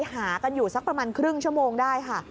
หากันอยู่สักประมาณครึ่งชั่วโมงได้ค่ะ